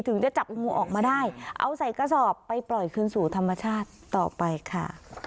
จะจับงูออกมาได้เอาใส่กระสอบไปปล่อยคืนสู่ธรรมชาติต่อไปค่ะ